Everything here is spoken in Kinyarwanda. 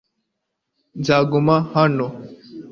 nzaguma hano